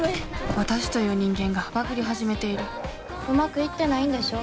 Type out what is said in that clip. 私という人間がバグり始めているうまくいってないんでしょ？